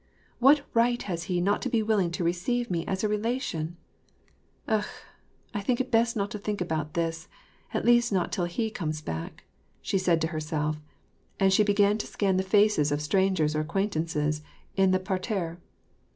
"What right has he not to be willing to I'eceive me as a relation ? Akh ! I'd best not think about this, at least not till he comes back," said she to herself, and she began to scan the faces of strangers or acquaintances in the parterre.